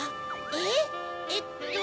えっ？えっと。